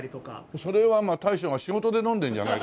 それはまあ大将が仕事で飲んでるんじゃない？ハハハ！